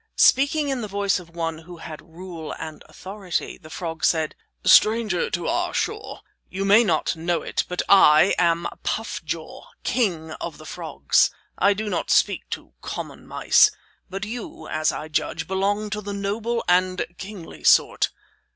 Speaking in the voice of one who had rule and authority, the frog said: "Stranger to our shore, you may not know it, but I am Puff Jaw, king of the frogs. I do not speak to common mice, but you, as I judge, belong to the noble and kingly sort.